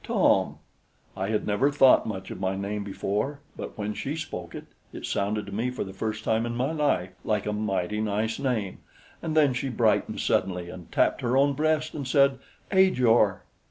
"Tom!" I had never thought much of my name before; but when she spoke it, it sounded to me for the first time in my life like a mighty nice name, and then she brightened suddenly and tapped her own breast and said: "Ajor!"